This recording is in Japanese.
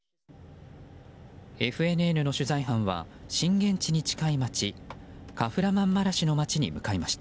ＦＮＮの取材班は震源地に近い街カフラマンマラシュの街に向かいました。